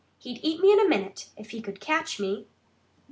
"He'd eat me in a minute, if he could catch me."